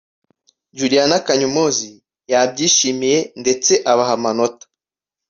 Juliana Kanyomozi yabyishimiye ndetse abaha amanota